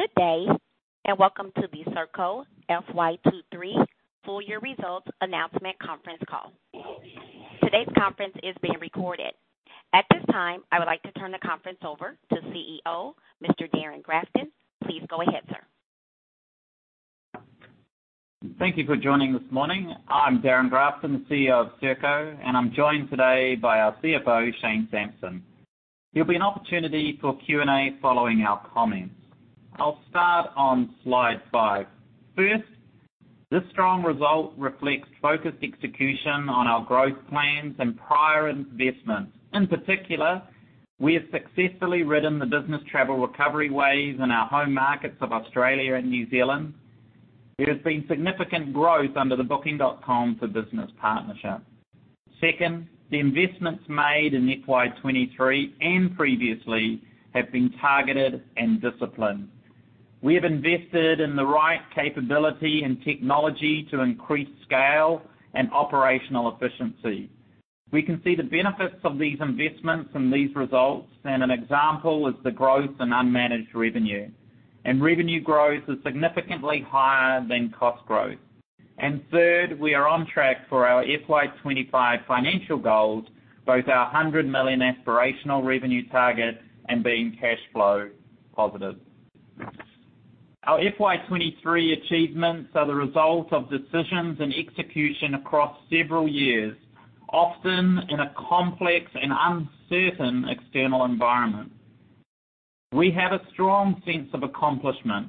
Good day, welcome to the Serko FY 2023 full year results announcement conference call. Today's conference is being recorded. At this time, I would like to turn the conference over to CEO, Mr. Darrin Grafton. Please go ahead, sir. Thank you for joining this morning. I'm Darrin Grafton, the CEO of Serko. I'm joined today by our CFO, Shane Sampson. There'll be an opportunity for Q&A following our comments. I'll start on slide five. First, this strong result reflects focused execution on our growth plans and prior investments. In particular, we have successfully ridden the business travel recovery waves in our home markets of Australia and New Zealand. There has been significant growth under the Booking.com for Business partnership. Second, the investments made in FY 2023 and previously have been targeted and disciplined. We have invested in the right capability and technology to increase scale and operational efficiency. We can see the benefits of these investments in these results, and an example is the growth in unmanaged revenue. Revenue growth is significantly higher than cost growth. Third, we are on track for our FY 2025 financial goals, both our 100 million aspirational revenue target and being cash flow positive. Our FY 2023 achievements are the result of decisions and execution across several years, often in a complex and uncertain external environment. We have a strong sense of accomplishment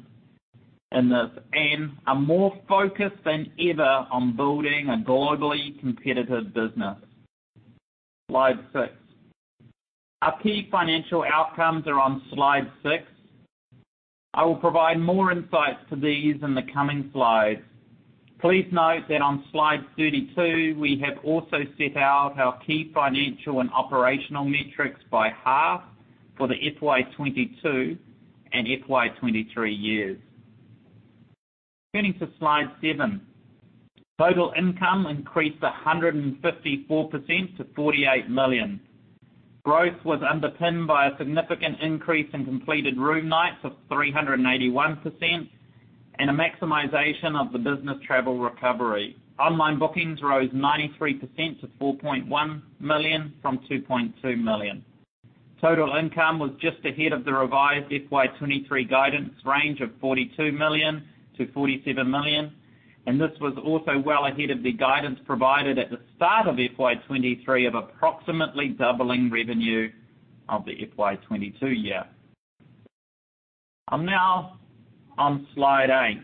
in this and are more focused than ever on building a globally competitive business. Slide six. Our key financial outcomes are on slide six. I will provide more insights to these in the coming slides. Please note that on slide 32, we have also set out our key financial and operational metrics by half for the FY 2022 and FY 2023 years. Turning to slide seven. Total income increased 154% to 48 million. Growth was underpinned by a significant increase in completed room nights of 381% and a maximization of the business travel recovery. Online bookings rose 93% to 4.1 million from 2.2 million. Total income was just ahead of the revised FY 2023 guidance range of 42 million-47 million, this was also well ahead of the guidance provided at the start of FY 2023 of approximately doubling revenue of the FY 2022 year. I'm now on slide eight.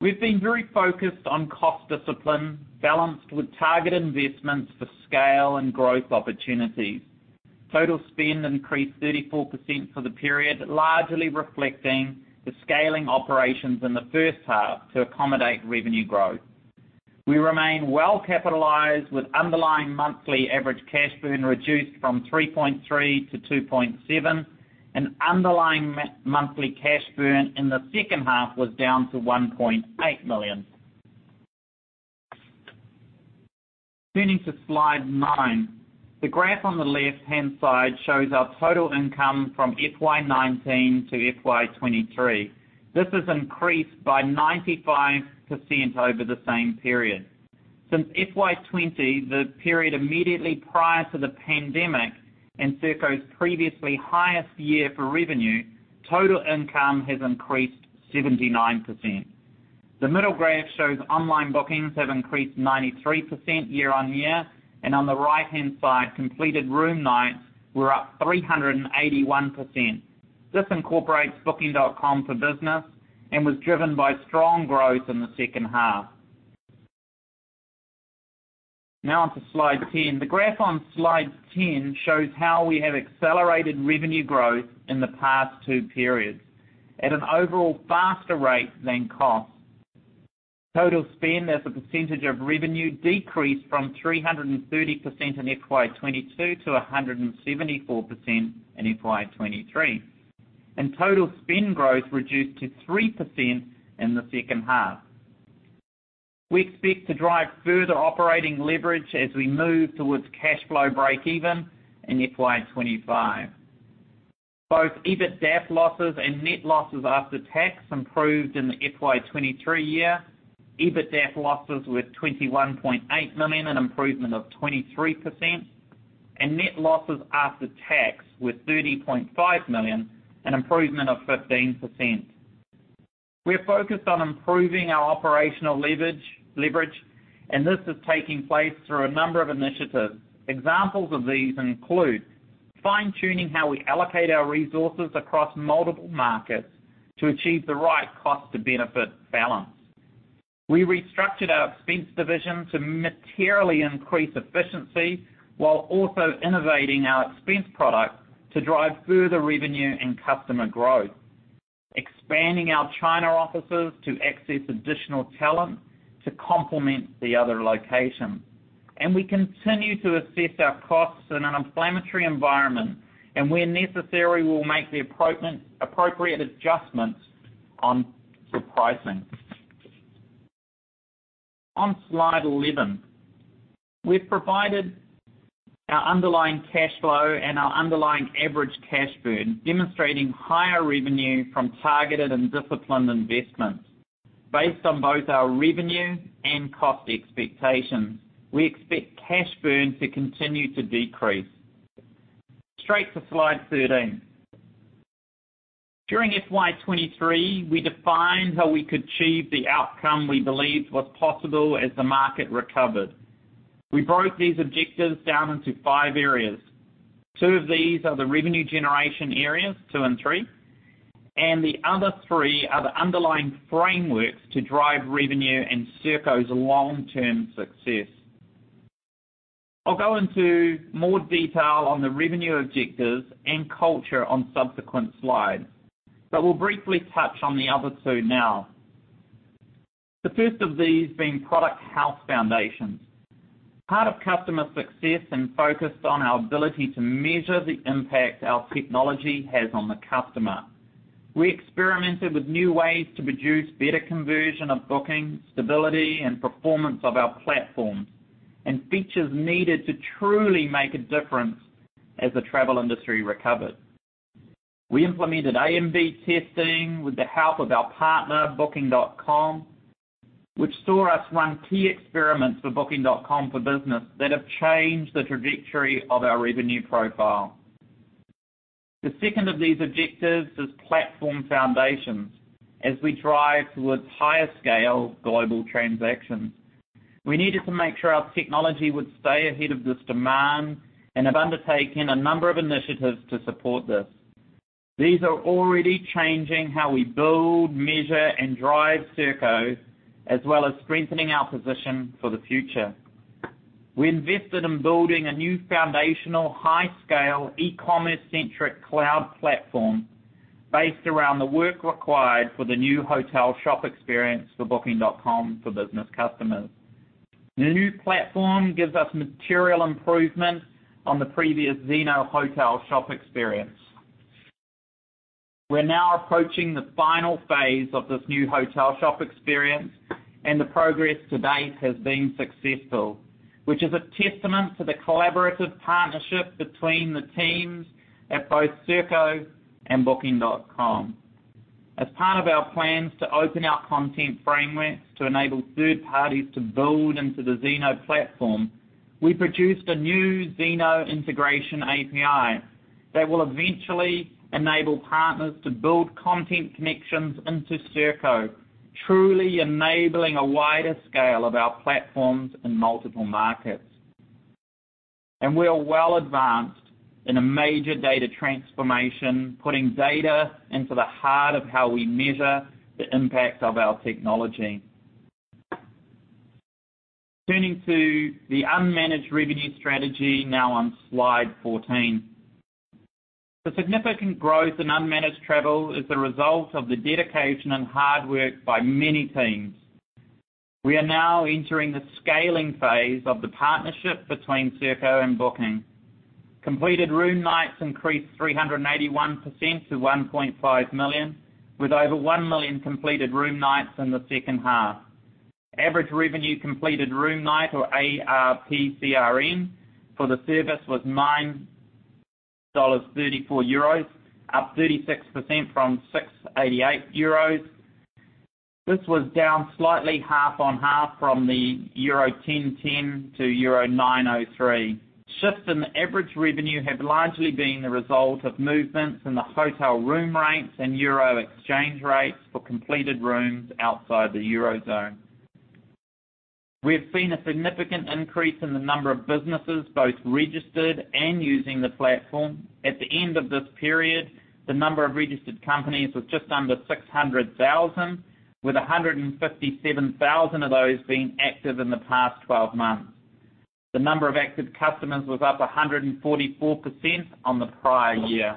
We've been very focused on cost discipline balanced with target investments for scale and growth opportunities. Total spend increased 34% for the period, largely reflecting the scaling operations in the first half to accommodate revenue growth. We remain well capitalized with underlying monthly average cash burn reduced from 3.3 to 2.7, underlying monthly cash burn in the second half was down to 1.8 million. Turning to slide nine. The graph on the left-hand side shows our total income from FY 2019-FY 2023. This has increased by 95% over the same period. Since FY 2020, the period immediately prior to the pandemic and Serko's previously highest year for revenue, total income has increased 79%. The middle graph shows online bookings have increased 93% year-on-year, on the right-hand side, completed room nights were up 381%. This incorporates Booking.com for Business and was driven by strong growth in the second half. On to slide 10. The graph on slide 10 shows how we have accelerated revenue growth in the past two periods at an overall faster rate than cost. Total spend as a percentage of revenue decreased from 330% in FY 2022 to 174% in FY 2023, and total spend growth reduced to 3% in the second half. We expect to drive further operating leverage as we move towards cash flow breakeven in FY 2025. Both EBITDA losses and net losses after tax improved in the FY 2023 year. EBITDA losses were 21.8 million, an improvement of 23%, and net losses after tax were 30.5 million, an improvement of 15%. We are focused on improving our operational leverage, and this is taking place through a number of initiatives. Examples of these include fine-tuning how we allocate our resources across multiple markets to achieve the right cost to benefit balance. We restructured our expense division to materially increase efficiency while also innovating our expense product to drive further revenue and customer growth, expanding our China offices to access additional talent to complement the other locations. We continue to assess our costs in an inflationary environment, and where necessary, we'll make the appropriate adjustments on the pricing. On slide 11. We've provided our underlying cash flow and our underlying average cash burn, demonstrating higher revenue from targeted and disciplined investments. Based on both our revenue and cost expectations, we expect cash burn to continue to decrease. Straight to slide 13. During FY 2023, we defined how we could achieve the outcome we believed was possible as the market recovered. We broke these objectives down into five areas. Two of these are the revenue generation areas, two and three, and the other three are the underlying frameworks to drive revenue and Serko's long-term success. I'll go into more detail on the revenue objectives and culture on subsequent slides, but we'll briefly touch on the other two now. The first of these being product house foundations. Part of customer success and focused on our ability to measure the impact our technology has on the customer. We experimented with new ways to produce better conversion of booking, stability, and performance of our platforms and features needed to truly make a difference as the travel industry recovered. We implemented A/B testing with the help of our partner, Booking.com, which saw us run key experiments for Booking.com for Business that have changed the trajectory of our revenue profile. The second of these objectives is platform foundations, as we drive towards higher scale global transactions. We needed to make sure our technology would stay ahead of this demand and have undertaken a number of initiatives to support this. These are already changing how we build, measure, and drive Serko, as well as strengthening our position for the future. We invested in building a new foundational high-scale e-commerce-centric cloud platform based around the work required for the new hotel shop experience for Booking.com for Business customers. The new platform gives us material improvements on the previous Zeno hotel shop experience. We're now approaching the final phase of this new hotel shop experience, and the progress to date has been successful, which is a testament to the collaborative partnership between the teams at both Serko and Booking.com. As part of our plans to open our content frameworks to enable third parties to build into the Zeno platform, we produced a new Zeno integration API that will eventually enable partners to build content connections into Serko, truly enabling a wider scale of our platforms in multiple markets. We are well advanced in a major data transformation, putting data into the heart of how we measure the impact of our technology. Turning to the unmanaged revenue strategy now on slide 14. The significant growth in unmanaged travel is the result of the dedication and hard work by many teams. We are now entering the scaling phase of the partnership between Serko and Booking. Completed room nights increased 381% to 1.5 million, with over 1 million completed room nights in the second half. Average revenue completed room night, or ARPCRN, for the service was EUR 9.34, up 36% from 6.88 euros. This was down slightly half on half from the euro 10.10 to euro 9.03. Shifts in the average revenue have largely been the result of movements in the hotel room rates and euro exchange rates for completed rooms outside the Euro zone. We have seen a significant increase in the number of businesses both registered and using the platform. At the end of this period, the number of registered companies was just under 600,000, with 157,000 of those being active in the past 12 months. The number of active customers was up 144% on the prior year.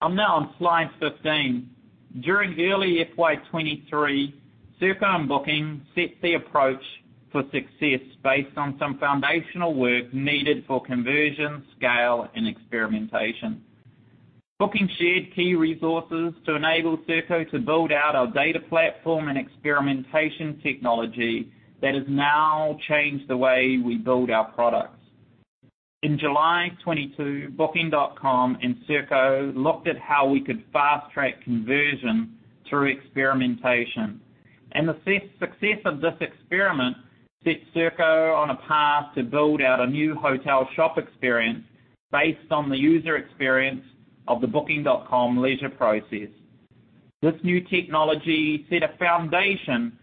I'm now on slide 15. During early FY 2023, Serko and Booking set the approach for success based on some foundational work needed for conversion, scale, and experimentation. Booking shared key resources to enable Serko to build out our data platform and experimentation technology that has now changed the way we build our products. In July 2022, Booking.com and Serko looked at how we could fast-track conversion through experimentation. The success of this experiment set Serko on a path to build out a new hotel shop experience based on the user experience of the Booking.com leisure process. This new technology set a foundation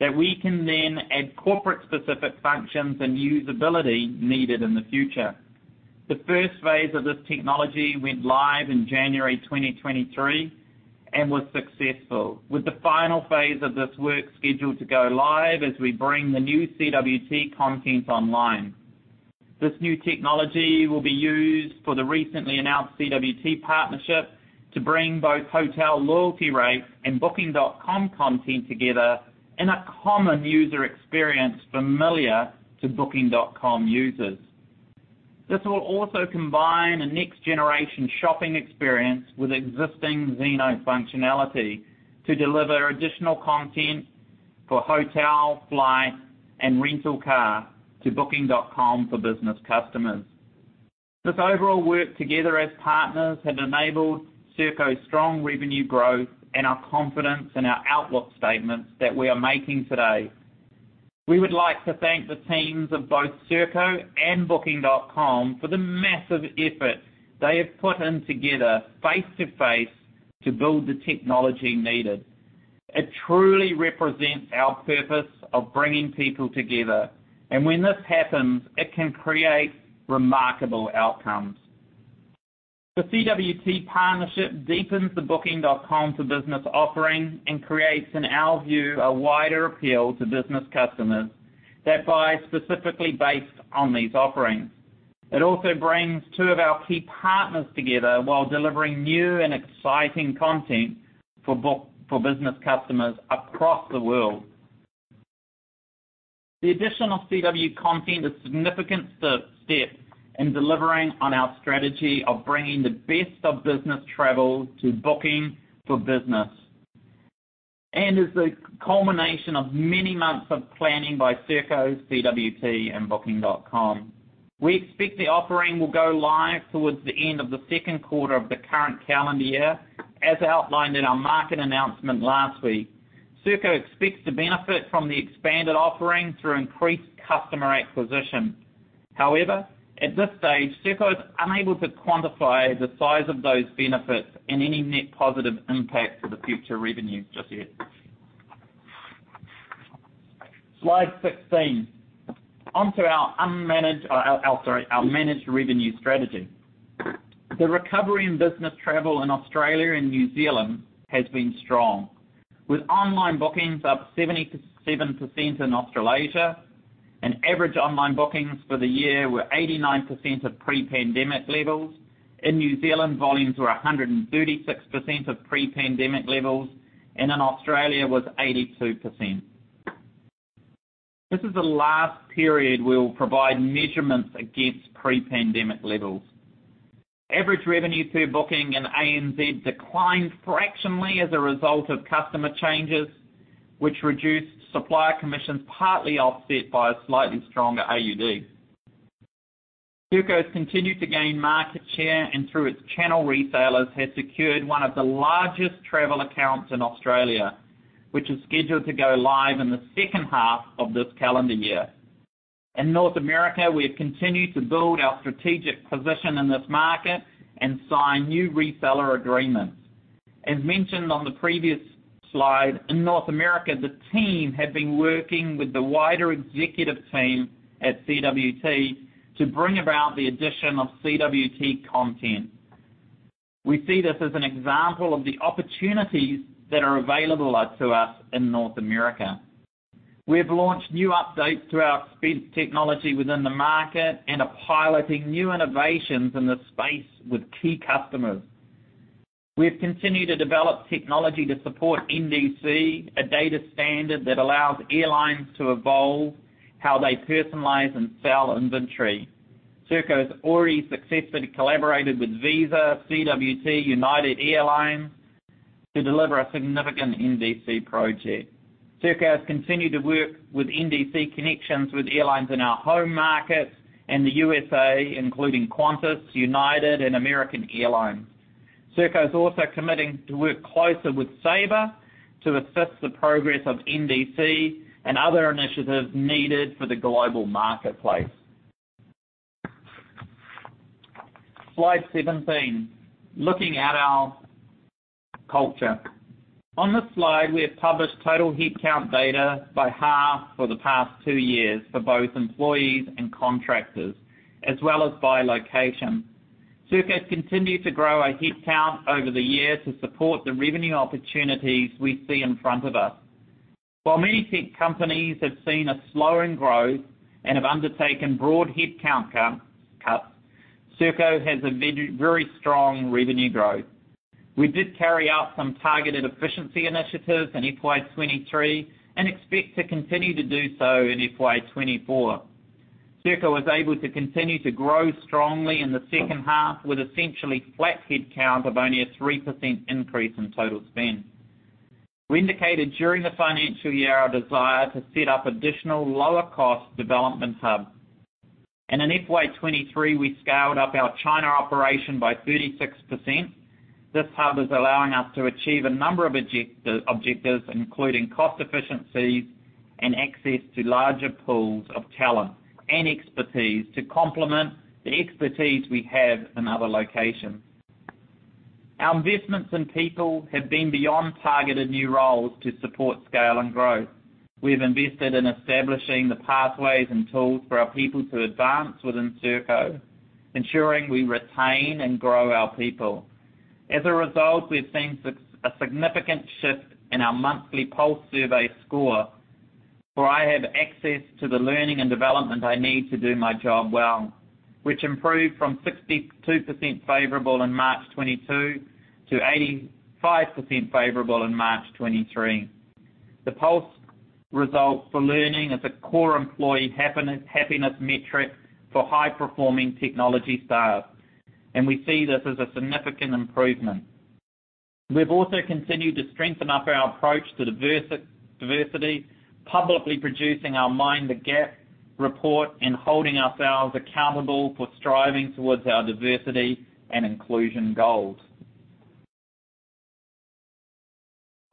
that we can then add corporate specific functions and usability needed in the future. The first phase of this technology went live in January 2023 and was successful. With the final phase of this work scheduled to go live as we bring the new CWT content online. This new technology will be used for the recently announced CWT partnership to bring both hotel loyalty rates and Booking.com content together in a common user experience familiar to Booking.com users. This will also combine a next-generation shopping experience with existing Zeno functionality to deliver additional content for hotel, flight, and rental car to Booking.com for Business customers. This overall work together as partners have enabled Serko's strong revenue growth and our confidence in our outlook statements that we are making today. We would like to thank the teams of both Serko and Booking.com for the massive effort they have put in together face-to-face to build the technology needed. It truly represents our purpose of bringing people together, and when this happens, it can create remarkable outcomes. The CWT partnership deepens the Booking.com for Business offering and creates, in our view, a wider appeal to business customers that buy specifically based on these offerings. It also brings two of our key partners together while delivering new and exciting content for business customers across the world. The addition of CWT content is a significant step in delivering on our strategy of bringing the best of business travel to Booking.com for Business, and is the culmination of many months of planning by Serko, CWT, and Booking.com. We expect the offering will go live towards the end of the second quarter of the current calendar year. As outlined in our market announcement last week, Serko expects to benefit from the expanded offering through increased customer acquisition. At this stage, Serko is unable to quantify the size of those benefits and any net positive impact to the future revenue just yet. Slide 16. On to our managed revenue strategy. The recovery in business travel in Australia and New Zealand has been strong, with online bookings up 77% in Australasia and average online bookings for the year were 89% of pre-pandemic levels. In New Zealand, volumes were 136% of pre-pandemic levels, and in Australia was 82%. This is the last period we'll provide measurements against pre-pandemic levels. Average revenue per booking in ANZ declined fractionally as a result of customer changes, which reduced supplier commissions, partly offset by a slightly stronger AUD. Serko has continued to gain market share. Through its channel, retailers have secured one of the largest travel accounts in Australia, which is scheduled to go live in the second half of this calendar year. In North America, we have continued to build our strategic position in this market and sign new reseller agreements. As mentioned on the previous slide, in North America, the team have been working with the wider executive team at CWT to bring about the addition of CWT content. We see this as an example of the opportunities that are available to us in North America. We have launched new updates to our spend technology within the market and are piloting new innovations in this space with key customers. We have continued to develop technology to support NDC, a data standard that allows airlines to evolve how they personalize and sell inventory. Serko has already successfully collaborated with Visa, CWT, United Airlines to deliver a significant NDC project. Serko has continued to work with NDC connections with airlines in our home markets and the USA, including Qantas, United, and American Airlines. Serko is also committing to work closer with Sabre to assist the progress of NDC and other initiatives needed for the global marketplace. Slide 17. Looking at our culture. On this slide, we have published total headcount data by half for the past two years for both employees and contractors, as well as by location. Serko has continued to grow our headcount over the years to support the revenue opportunities we see in front of us. While many tech companies have seen a slowing growth and have undertaken broad headcount cuts, Serko has a very strong revenue growth. We did carry out some targeted efficiency initiatives in FY 2023 and expect to continue to do so in FY 2024. Serko was able to continue to grow strongly in the second half with essentially flat headcount of only a 3% increase in total spend. We indicated during the financial year our desire to set up additional lower cost development hubs. In FY 2023, we scaled up our China operation by 36%. This hub is allowing us to achieve a number of objectives, including cost efficiencies and access to larger pools of talent and expertise to complement the expertise we have in other locations. Our investments in people have been beyond targeted new roles to support scale and growth. We have invested in establishing the pathways and tools for our people to advance within Serko, ensuring we retain and grow our people. As a result, we have seen a significant shift in our monthly pulse survey score, for I have access to the learning and development I need to do my job well, which improved from 62% favorable in March 2022 to 85% favorable in March 2023. The pulse results for learning is a core employee happiness metric for high-performing technology staff. We see this as a significant improvement. We've also continued to strengthen up our approach to diversity, publicly producing our Mind the Gap report and holding ourselves accountable for striving towards our diversity and inclusion goals.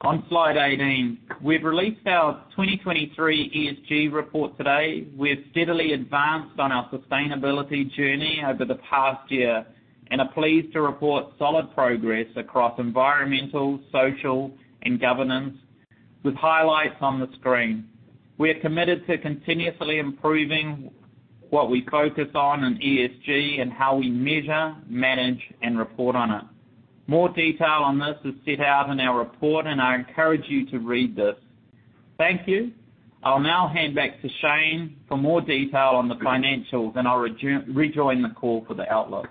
On slide 18, we've released our 2023 ESG report today. We have steadily advanced on our sustainability journey over the past year and are pleased to report solid progress across environmental, social, and governance, with highlights on the screen. We are committed to continuously improving what we focus on in ESG and how we measure, manage, and report on it. More detail on this is set out in our report, and I encourage you to read this. Thank you. I'll now hand back to Shane for more detail on the financials, and I'll rejoin the call for the outlook.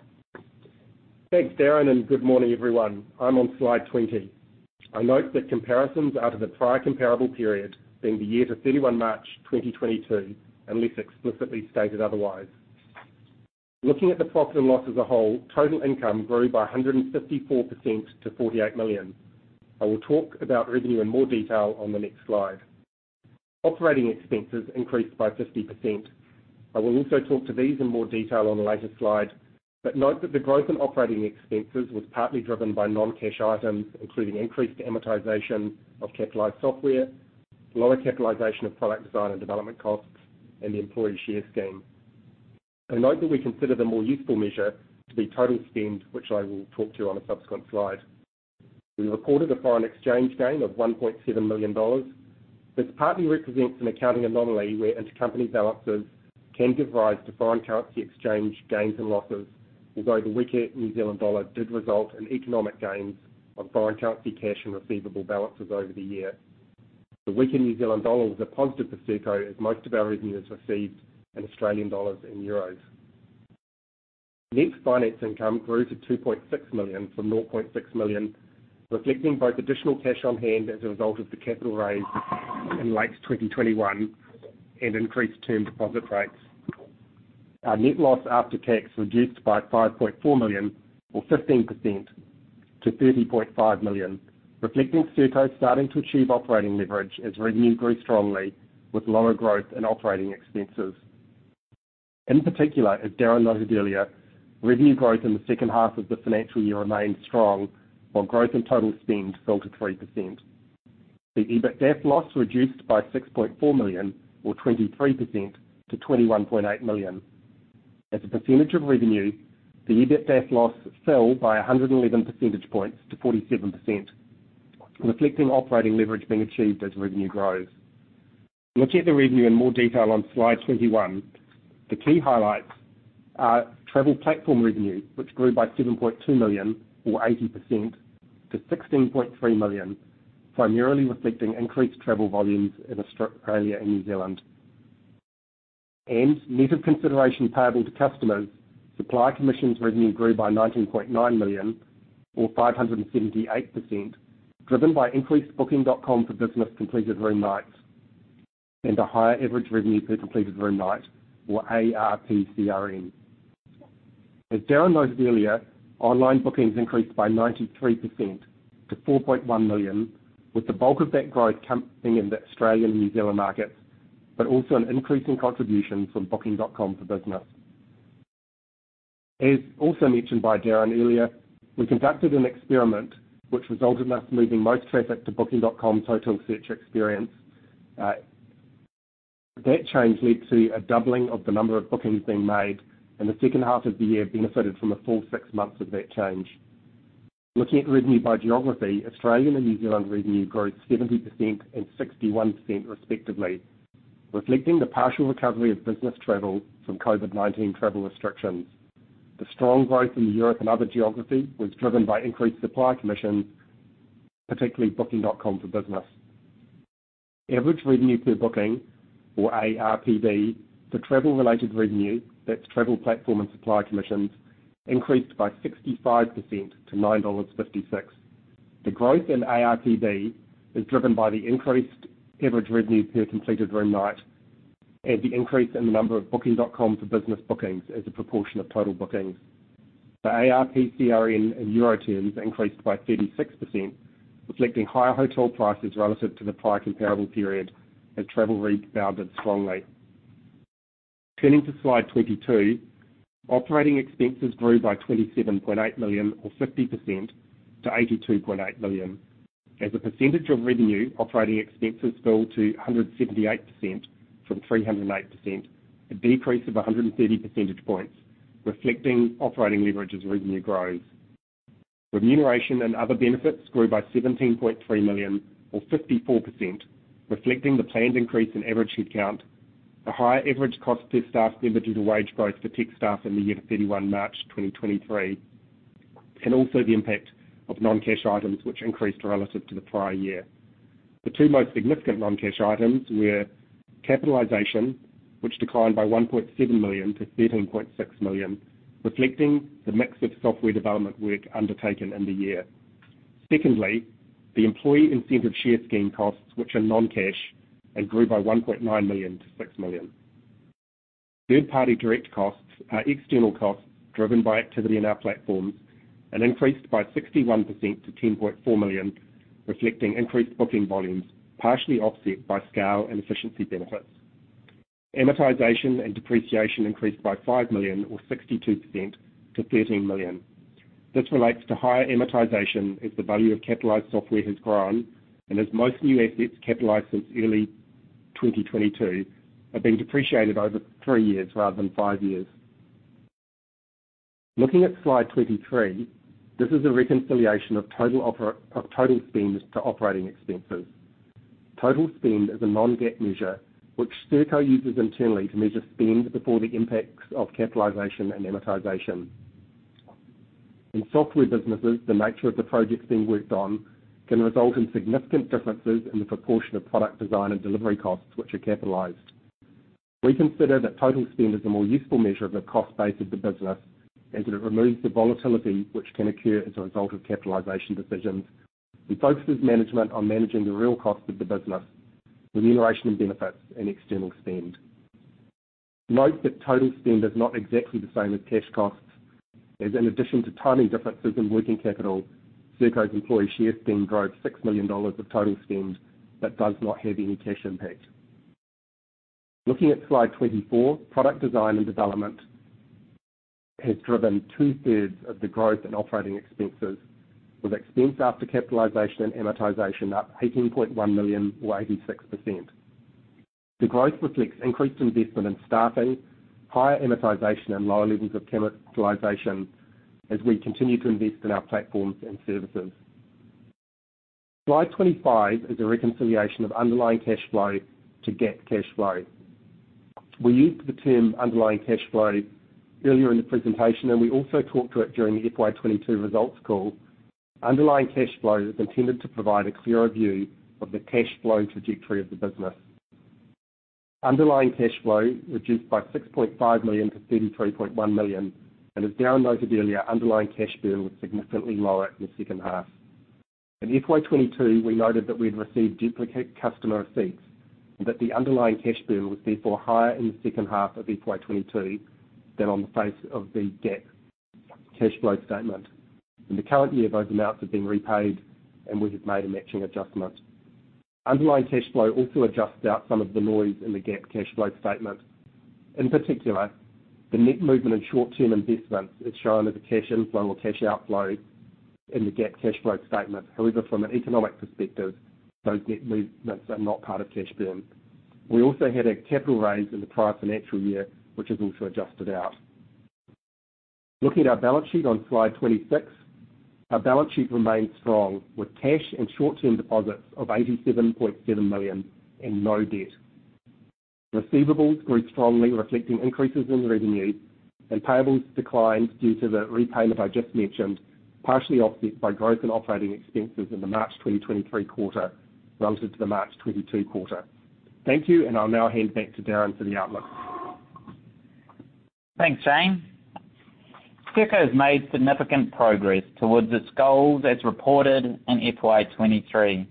Thanks, Darrin. Good morning, everyone. I'm on slide 20. I note that comparisons are to the prior comparable period, being the year to 31 March 2022, unless explicitly stated otherwise. Looking at the profit and loss as a whole, total income grew by 154% to 48 million. I will talk about revenue in more detail on the next slide. Operating expenses increased by 50%. I will also talk to these in more detail on a later slide. Note that the growth in operating expenses was partly driven by non-cash items, including increased amortization of capitalized software, lower capitalization of product design and development costs, and the employee share scheme. I note that we consider the more useful measure to be total spend, which I will talk to on a subsequent slide. We reported a foreign exchange gain of 1.7 million dollars. This partly represents an accounting anomaly where intercompany balances can give rise to foreign currency exchange gains and losses. Although the weaker New Zealand dollar did result in economic gains on foreign currency cash and receivable balances over the year. The weaker New Zealand dollar was a positive for Serko as most of our revenue is received in Australian dollars and euros. Net finance income grew to 2.6 million from 0.6 million, reflecting both additional cash on hand as a result of the capital raise in late 2021 and increased term deposit rates. Our net loss after tax reduced by 5.4 million or 15% to 30.5 million, reflecting Serko starting to achieve operating leverage as revenue grew strongly with lower growth in operating expenses. In particular, as Darrin noted earlier, revenue growth in the second half of the financial year remained strong, while growth in total spend fell to 3%. The EBITDAF loss reduced by 6.4 million or 23% to 21.8 million. As a percentage of revenue, the EBITDAF loss fell by 111 percentage points to 47%, reflecting operating leverage being achieved as revenue grows. Looking at the revenue in more detail on slide 21, the key highlights are travel platform revenue, which grew by 7.2 million or 80% to 16.3 million, primarily reflecting increased travel volumes in Australia and New Zealand. Net of consideration payable to customers, supplier commissions revenue grew by 19.9 million or 578%, driven by increased Booking.com for Business completed room nights and a higher average revenue per completed room night or ARPCRN. As Darrin noted earlier, online bookings increased by 93% to 4.1 million, with the bulk of that growth coming in the Australian and New Zealand markets, but also an increase in contribution from Booking.com for Business. As also mentioned by Darrin earlier, we conducted an experiment which resulted in us moving most traffic to Booking.com's hotel search experience. That change led to a doubling of the number of bookings being made, and the second half of the year benefited from a full 6 months of that change. Looking at revenue by geography, Australian and New Zealand revenue grew 70% and 61% respectively, reflecting the partial recovery of business travel from COVID-19 travel restrictions. The strong growth in Europe and other geographies was driven by increased supplier commissions, particularly Booking.com for Business. Average revenue per booking, or ARPB, for travel-related revenue, that's travel platform and supplier commissions, increased by 65% to 9.56 dollars. The growth in ARPB is driven by the increased average revenue per completed room night and the increase in the number of Booking.com for Business bookings as a proportion of total bookings. The ARPCRN in euro terms increased by 36%, reflecting higher hotel prices relative to the prior comparable period as travel rebounded strongly. Turning to slide 22, operating expenses grew by 27.8 million or 50% to 82.8 million. As a percentage of revenue, operating expenses fell to 178% from 308%, a decrease of 130 percentage points, reflecting operating leverage as revenue grows. Remuneration and other benefits grew by 17.3 million or 54%, reflecting the planned increase in average headcount, the higher average cost per staff member due to wage growth for tech staff in the year to 31 March 2023, and also the impact of non-cash items which increased relative to the prior year. The two most significant non-cash items were: Capitalization, which declined by 1.7 million to 13.6 million, reflecting the mix of software development work undertaken in the year. Secondly, the employee incentive share scheme costs, which are non-cash and grew by 1.9 million to 6 million. Third-party direct costs are external costs driven by activity in our platforms and increased by 61% to 10.4 million, reflecting increased booking volumes, partially offset by scale and efficiency benefits. Amortization and depreciation increased by 5 million or 62% to 13 million. This relates to higher amortization as the value of capitalized software has grown and as most new assets capitalized since early 2022 are being depreciated over three years rather than five years. Looking at slide 23, this is a reconciliation of total of total spend to operating expenses. Total spend is a non-GAAP measure which Serko uses internally to measure spend before the impacts of capitalization and amortization. In software businesses, the nature of the projects being worked on can result in significant differences in the proportion of product design and delivery costs which are capitalized. We consider that total spend is a more useful measure of the cost base of the business, as it removes the volatility which can occur as a result of capitalization decisions and focuses management on managing the real cost of the business, remuneration and benefits, and external spend. Note that total spend is not exactly the same as cash costs, as in addition to timing differences in working capital, Serko's employee share scheme drove 6 million dollars of total spend that does not have any cash impact. Looking at slide 24, product design and development has driven 2/3 of the growth in operating expenses, with expense after capitalization and amortization up 18.1 million or 86%. The growth reflects increased investment in staffing, higher amortization, and lower levels of capitalization as we continue to invest in our platforms and services. Slide 25 is a reconciliation of underlying cash flow to GAAP cash flow. We used the term underlying cash flow earlier in the presentation, and we also talked to it during the FY 2022 results call. Underlying cash flow reduced by 6.5 million to 33.1 million, and as Darrin noted earlier, underlying cash burn was significantly lower in the second half. In FY 2022, we noted that we'd received duplicate customer receipts and that the underlying cash burn was therefore higher in the second half of FY 2022 than on the face of the GAAP cash flow statement. In the current year, those amounts have been repaid, and we have made a matching adjustment. Underlying cash flow also adjusts out some of the noise in the GAAP cash flow statement. In particular, the net movement in short-term investments is shown as a cash inflow or cash outflow in the GAAP cash flow statement. From an economic perspective, those net movements are not part of cash burn. We also had a capital raise in the prior financial year, which is also adjusted out. Looking at our balance sheet on slide 26, our balance sheet remains strong with cash and short-term deposits of 87.7 million and no debt. Receivables grew strongly, reflecting increases in revenue, and payables declined due to the repayment I just mentioned, partially offset by growth in operating expenses in the March 2023 quarter relative to the March 2022 quarter. Thank you. I'll now hand back to Darrin for the outlook. Thanks, Shane. Serko has made significant progress towards its goals as reported in FY 2023.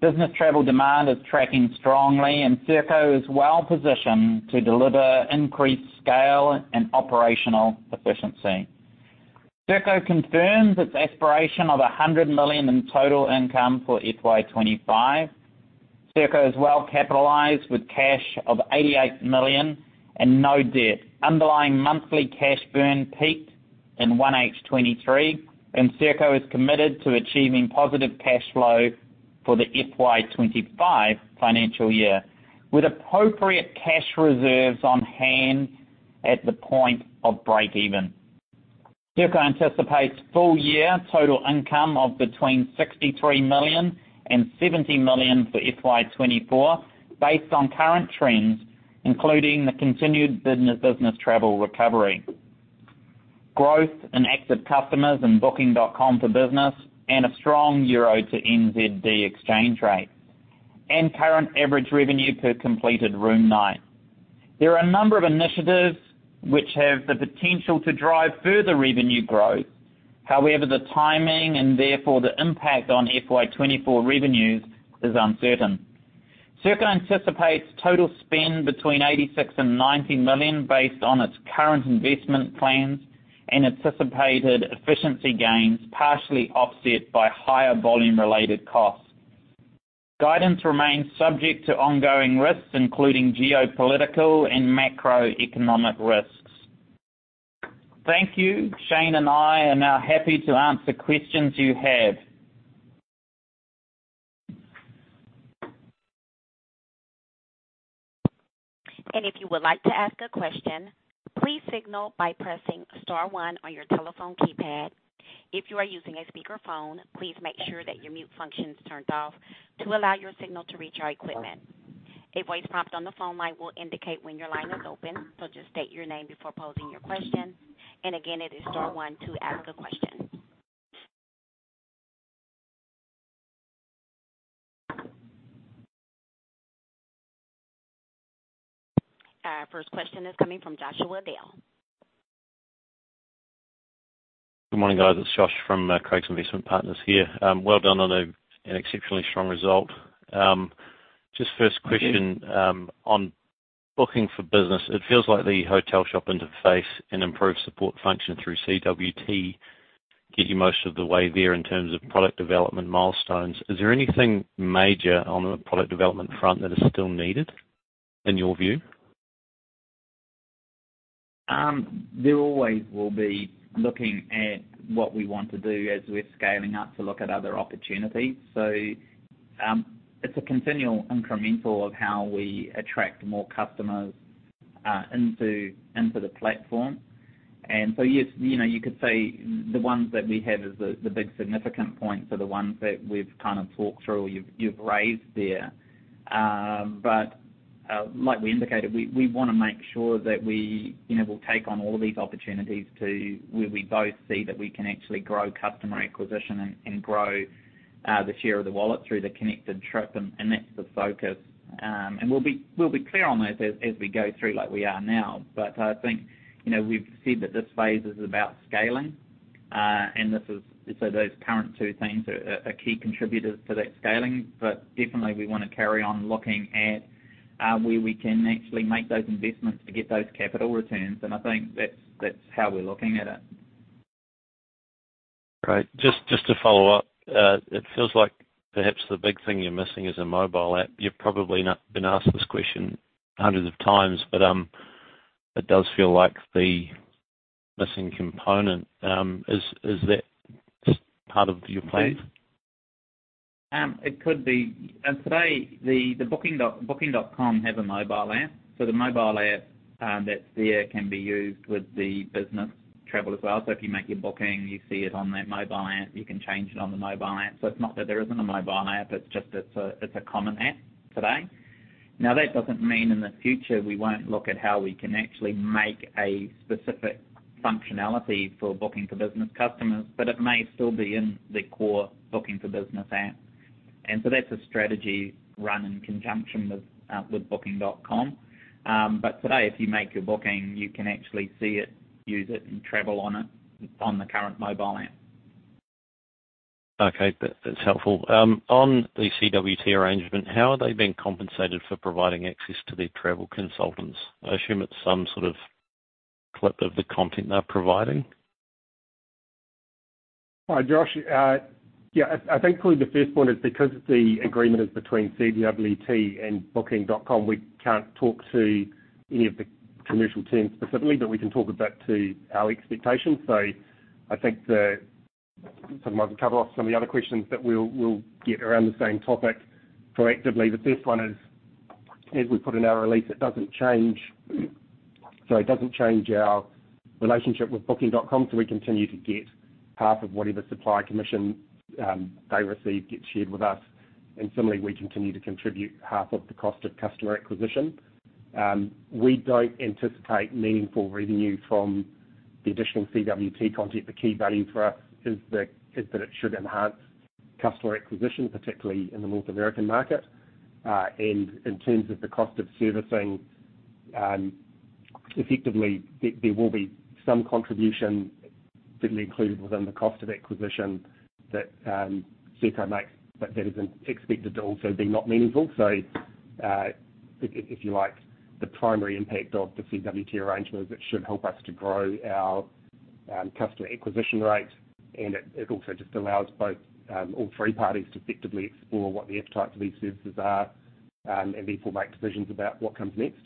Business travel demand is tracking strongly. Serko is well positioned to deliver increased scale and operational efficiency. Serko confirms its aspiration of 100 million in total income for FY 2025. Serko is well capitalized with cash of 88 million and no debt. Underlying monthly cash burn peaked in 1H 2023, and Serko is committed to achieving positive cash flow for the FY 2025 financial year, with appropriate cash reserves on hand at the point of breakeven. Serko anticipates full year total income of between 63 million and 70 million for FY 2024 based on current trends, including the continued business travel recovery, growth in active customers in Booking.com for Business, and a strong EUR to NZD exchange rate, and current average revenue per completed room night. There are a number of initiatives which have the potential to drive further revenue growth. However, the timing and therefore the impact on FY 2024 revenues is uncertain. Serko anticipates total spend between 86 million and 90 million based on its current investment plans and anticipated efficiency gains, partially offset by higher volume-related costs. Guidance remains subject to ongoing risks, including geopolitical and macroeconomic risks. Thank you. Shane and I are now happy to answer questions you have. If you would like to ask a question, please signal by pressing star one on your telephone keypad. If you are using a speakerphone, please make sure that your mute function is turned off to allow your signal to reach our equipment. A voice prompt on the phone line will indicate when your line is open, just state your name before posing your question. Again, it is star one to ask a question. Our first question is coming from Joshua Dale. Good morning, guys. It's Josh from Craigs Investment Partners here. Well done on an exceptionally strong result. Just first question on Booking.com for Business, it feels like the hotel shop interface and improved support function through CWT get you most of the way there in terms of product development milestones. Is there anything major on the product development front that is still needed in your view? There always will be looking at what we want to do as we're scaling up to look at other opportunities. It's a continual incremental of how we attract more customers into the platform. Yes, you know, you could say the ones that we have as the big significant points are the ones that we've kind of talked through or you've raised there. Like we indicated, we wanna make sure that we, you know, will take on all of these opportunities to where we both see that we can actually grow customer acquisition and grow the share of the wallet through the Connected Trip, and that's the focus. We'll be clear on those as we go through like we are now. I think, you know, we've said that this phase is about scaling, and so those current two things are key contributors to that scaling. Definitely we wanna carry on looking at, where we can actually make those investments to get those capital returns. I think that's how we're looking at it. Great. Just to follow up, it feels like perhaps the big thing you're missing is a mobile app. You've probably been asked this question hundreds of times, but it does feel like the missing component. Is that part of your plans? It could be. Today, Booking.com has a mobile app, so the mobile app that's there can be used with the business travel as well. If you make your booking, you see it on that mobile app, you can change it on the mobile app. It's not that there isn't a mobile app, it's just it's a common app today. Now, that doesn't mean in the future we won't look at how we can actually make a specific functionality for Booking for Business customers, but it may still be in the core Booking for Business app. That's a strategy run in conjunction with Booking.com. Today, if you make your booking, you can actually see it, use it, and travel on it on the current mobile app. Okay. That's helpful. On the CWT arrangement, how are they being compensated for providing access to their travel consultants? I assume it's some sort of clip of the content they're providing. Hi, Josh. Yeah, I think probably the first point is because the agreement is between CWT and Booking.com, we can't talk to any of the commercial terms specifically, but we can talk a bit to our expectations. I think I might as well cover off some of the other questions that we'll get around the same topic proactively. The first one is, as we put in our release, it doesn't change, sorry, it doesn't change our relationship with Booking.com, so we continue to get half of whatever supply commission they receive gets shared with us. Similarly, we continue to contribute half of the cost of customer acquisition. We don't anticipate meaningful revenue from the additional CWT content. The key value for us is that it should enhance customer acquisition, particularly in the North American market. In terms of the cost of servicing, effectively, there will be some contribution certainly included within the cost of acquisition that Serko makes, but that isn't expected to also be not meaningful. If you like, the primary impact of the CWT arrangement, it should help us to grow our customer acquisition rate, and it also just allows both, all three parties to effectively explore what the appetite for these services are, and therefore make decisions about what comes next.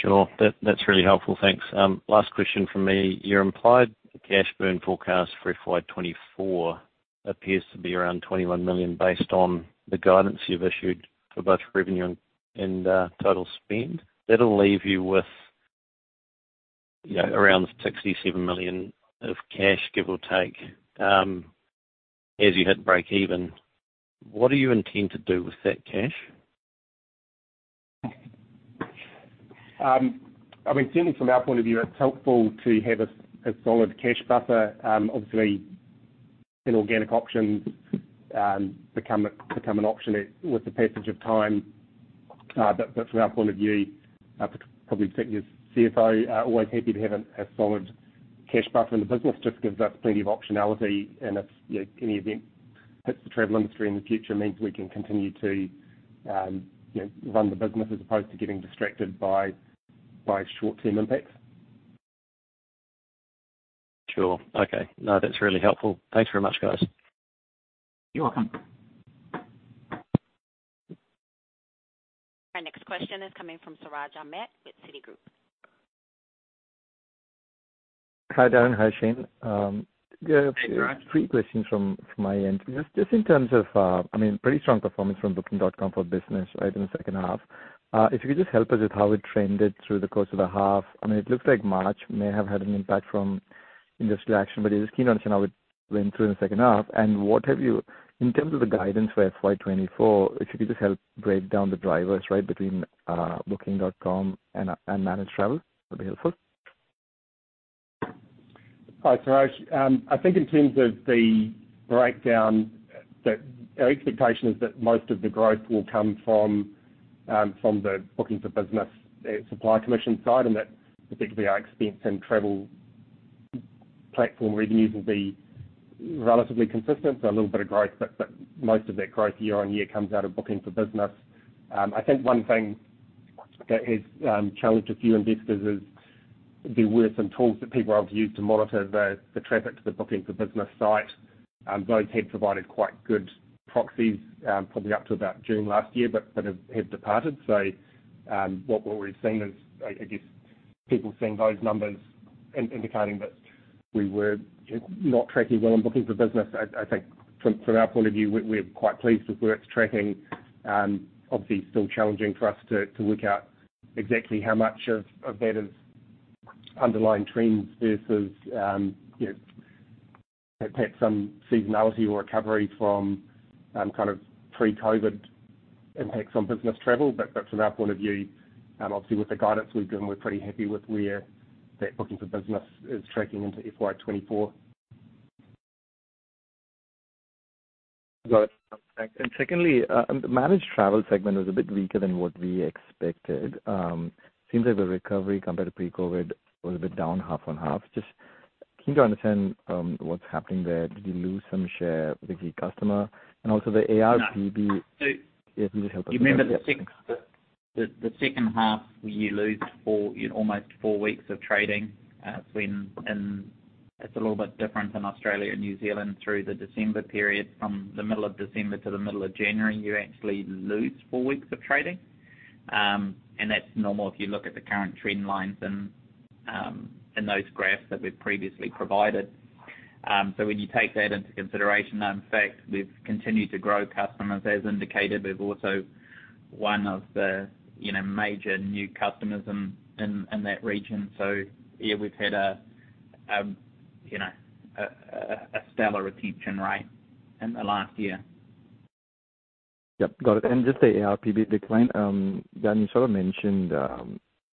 Sure. That's really helpful. Thanks. Last question from me. Your implied cash burn forecast for FY 2024 appears to be around 21 million based on the guidance you've issued for both revenue and total spend. That'll leave you with, you know, around 67 million of cash, give or take, as you hit breakeven. What do you intend to do with that cash? I mean, certainly from our point of view, it's helpful to have a solid cash buffer, obviously inorganic options become an option with the passage of time. From our point of view, probably speaking as CFO, always happy to have a solid cash buffer in the business, just gives us plenty of optionality. If, you know, any event hits the travel industry in the future, means we can continue to, you know, run the business as opposed to getting distracted by short-term impacts. Sure. Okay. No, that's really helpful. Thanks very much, guys. You're welcome. Our next question is coming from Siraj Ahmed with Citigroup. Hi, Darrin. Hi, Shane. Hey, Siraj. Three questions from my end. Just in terms of, I mean, pretty strong performance from Booking.com for Business right in the second half. If you could just help us with how it trended through the course of the half? I mean, it looks like March may have had an impact from industry action, but just keen to understand how it went through in the second half? In terms of the guidance for FY 2024, if you could just help break down the drivers, right, between Booking.com and managed travel, that'd be helpful? Hi, Siraj. I think in terms of the breakdown, our expectation is that most of the growth will come from the Bookings for Business supply commission side, and that particularly our expense and travel platform reviews will be relatively consistent. A little bit of growth, but most of that growth year-on-year comes out of Bookings for Business. I think one thing that has challenged a few investors is there were some tools that people have used to monitor the traffic to the Bookings for Business site. Those had provided quite good proxies, probably up to about June 2023, but have departed. What we're seeing is, I guess, people seeing those numbers indicating that we were not tracking well in Bookings for Business. I think from our point of view, we're quite pleased with where it's tracking. Obviously still challenging for us to work out exactly how much of that is underlying trends versus, you know, perhaps some seasonality or recovery from kind of pre-COVID impacts on business travel. From our point of view, and obviously with the guidance we've given, we're pretty happy with where that bookings for business is tracking into FY 2024. Got it. Thanks. Secondly, the managed travel segment was a bit weaker than what we expected. Seems like the recovery compared to pre-COVID was a bit down half on half. Just keen to understand, what's happening there? Did you lose some share with the customer? Also the ARPB- No. If you could help us with that. Thanks. You remember the second half, we lose almost four weeks of trading, and it's a little bit different in Australia and New Zealand through the December period. From the middle of December to the middle of January, you actually lose four weeks of trading. That's normal if you look at the current trend lines and in those graphs that we've previously provided. When you take that into consideration, in fact, we've continued to grow customers as indicated. We've also won of the, you know, major new customers in that region. Yeah, we've had a, you know, a stellar retention rate in the last year. Yep. Got it. Just the ARPB decline, Dan, you sort of mentioned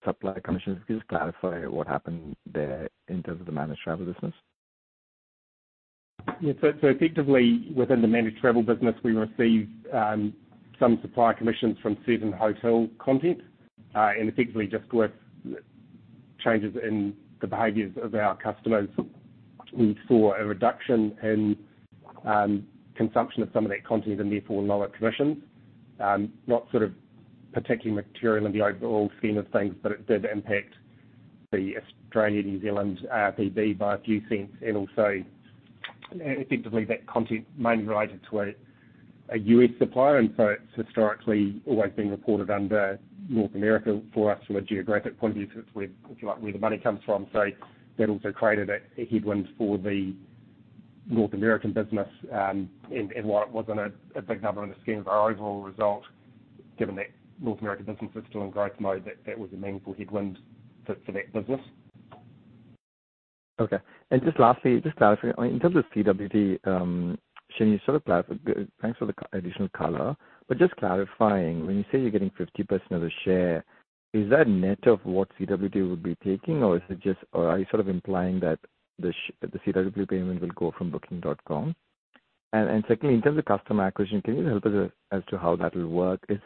supplier commissions. Could you just clarify what happened there in terms of the managed travel business? Effectively within the managed travel business, we received some supplier commissions from certain hotel content, and effectively just with changes in the behaviors of our customers, we saw a reduction in consumption of some of that content and therefore lower commissions. Not sort of particularly material in the overall scheme of things, it did impact the Australia, New Zealand ARPB by a few cents. Also, effectively that content mainly related to a U.S. supplier, it's historically always been reported under North America for us from a geographic point of view 'cause it's where, if you like, where the money comes from. That also created a headwind for the North American business. While it wasn't a big number in the scheme of our overall result, given that North American business is still in growth mode, that was a meaningful headwind for that business. Just lastly, just clarifying. In terms of CWT, Shane, you sort of clarified. Thanks for the additional color. Just clarifying, when you say you're getting 50% of the share, is that net of what CWT would be taking or are you sort of implying that the CWT payment will go from Booking.com? Secondly, in terms of customer acquisition, can you help us as to how that'll work? It's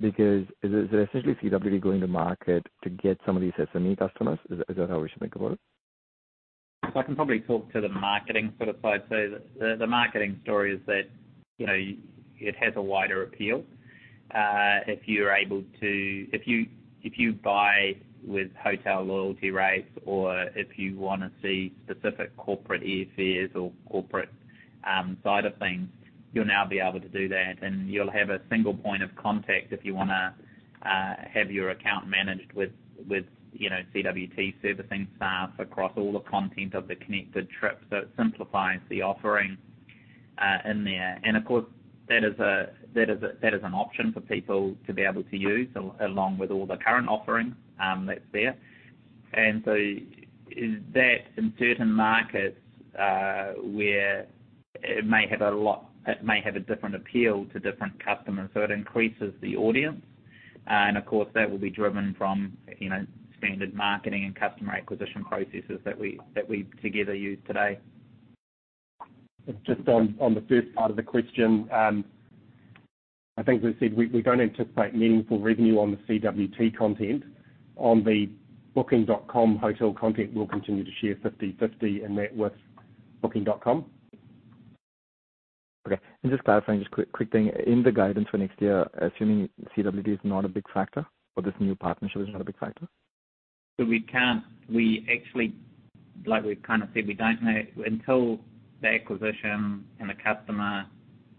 because is essentially CWT going to market to get some of these SME customers? Is that how we should think about it? I can probably talk to the marketing sort of side. The marketing story is that, you know, it has a wider appeal. If you, if you buy with hotel loyalty rates or if you wanna see specific corporate airfares or corporate side of things, you'll now be able to do that. You'll have a single point of contact if you wanna have your account managed with, you know, CWT servicing staff across all the content of the Connected Trip. It simplifies the offering in there. Of course, that is an option for people to be able to use along with all the current offerings that's there. Is that in certain markets, where it may have a different appeal to different customers, so it increases the audience. Of course, that will be driven from, you know, standard marketing and customer acquisition processes that we, that we together use today. Just on the first part of the question, I think as I said, we don't anticipate meaningful revenue on the CWT content. On the Booking.com hotel content, we'll continue to share 50/50, and that with Booking.com. Okay. Just clarifying, just quick thing. In the guidance for next year, assuming CWT is not a big factor or this new partnership is not a big factor. Like we've kind of said, we don't know. Until the acquisition and the customer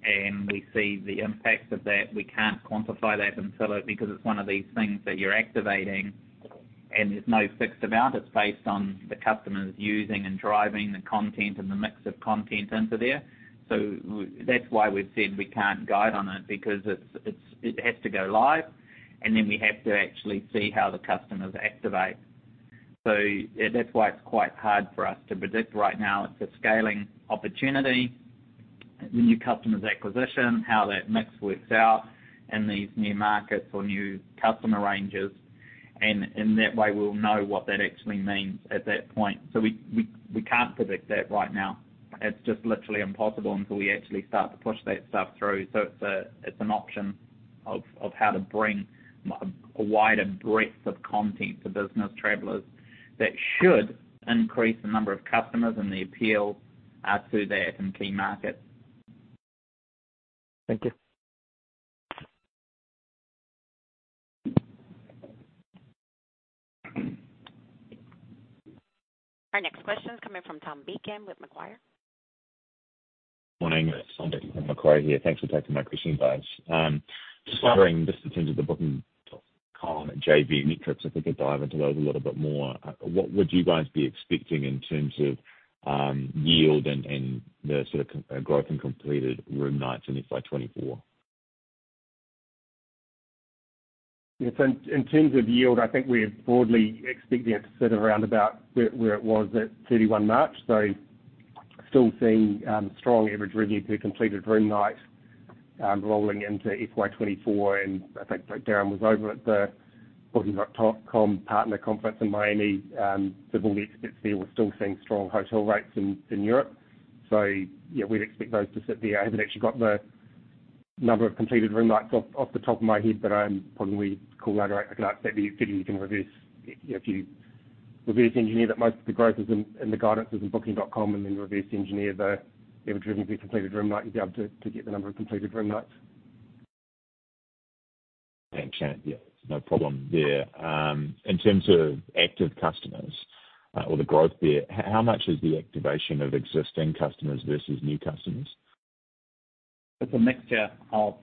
and we see the impacts of that, we can't quantify that because it's one of these things that you're activating, and there's no fixed amount. It's based on the customers using and driving the content and the mix of content into there. That's why we've said we can't guide on it because it's, it has to go live, and then we have to actually see how the customers activate. That's why it's quite hard for us to predict right now. It's a scaling opportunity. The new customers acquisition, how that mix works out in these new markets or new customer ranges. In that way, we'll know what that actually means at that point. We can't predict that right now. It's just literally impossible until we actually start to push that stuff through. It's an option of how to bring a wider breadth of content to business travelers that should increase the number of customers and the appeal to that key market. Thank you. Our next question is coming from Tom Deacon with Macquarie. Morning. It's Tom Deacon with Macquarie here. Thanks for taking my question, guys. Just wondering, just in terms of the Booking.com and JV metrics, if we could dive into those a little bit more. What would you guys be expecting in terms of yield and the sort of growth in completed room nights in FY 2024? Yes. In terms of yield, I think we're broadly expecting it to sit around about where it was at 31 March. Still seeing strong average revenue per completed room night rolling into FY 2024. I think Darrin was over at the Booking.com partner conference in Miami. All the experts there were still seeing strong hotel rates in Europe. Yeah, we'd expect those to sit there. I haven't actually got the number of completed room nights off the top of my head, but I can probably call that out. I could ask that you can reverse engineer that most of the growth is in the guidances of Booking.com and then reverse engineer the average revenue per completed room night, you'll be able to get the number of completed room nights. Thanks, Shane. Yeah, no problem there. In terms of active customers, or the growth there, how much is the activation of existing customers versus new customers? It's a mixture of,...